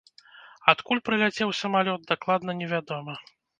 Адкуль прыляцеў самалёт, дакладна невядома.